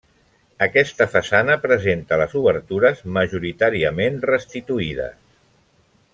Aquesta façana presenta les obertures majoritàriament restituïdes.